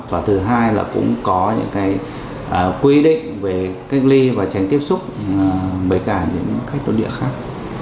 và thứ hai là cũng có những quy định về cách ly và tránh tiếp xúc với cả những khách nội địa khác